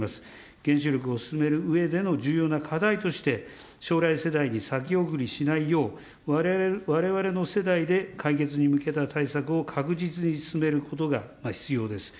原子力を進めるうえでの重要な課題として将来世代に先送りしないよう、われわれの世代で解決に向けた対策を確実に進めることが必要です。